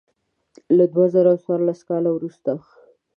له دوه زره څوارلسم کال وروسته.